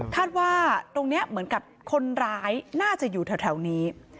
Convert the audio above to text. ว่าตรงนี้เหมือนกับคนร้ายน่าจะอยู่แถวนี้